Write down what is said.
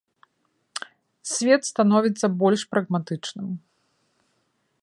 Свет становіцца больш прагматычным.